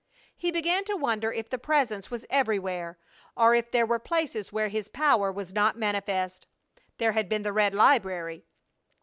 He began to wonder if the Presence was everywhere, or if there were places where His power was not manifest. There had been the red library!